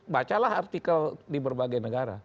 bacalah artikel di berbagai negara